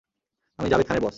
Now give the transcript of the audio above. আমি জাভেদ খানের বস।